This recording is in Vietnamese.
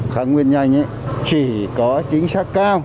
kháng nguyên nhanh chỉ có chính xác cao